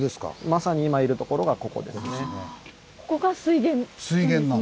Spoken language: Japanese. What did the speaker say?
まさに今いる所がここですね。